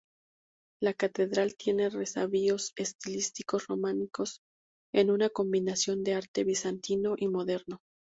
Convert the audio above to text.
La catedral tiene resabios estilísticos románicos, en una combinación de arte Bizantino y Moderno.